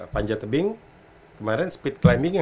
panjat tebing kemarin speed climbingnya